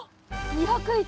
２０１！